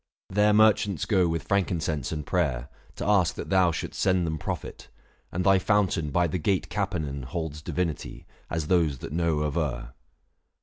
There merchants go With frankincense and prayer, to ask that thou Shouldst send them profit; and thy fountain by The gate Capenan holds divinity, As those that know aver.